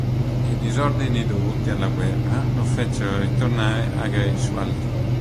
I disordini dovuti alla guerra lo fecero ritornare a Greifswald.